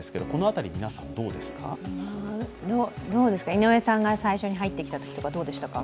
井上さんが最初に入ってきたときとかどうでしたか？